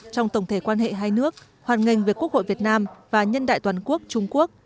trong tổng thể quan hệ hai nước hoàn ngành với quốc hội việt nam và nhân đại toàn quốc trung quốc